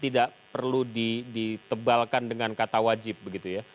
tidak perlu ditebalkan dengan kata wajib begitu ya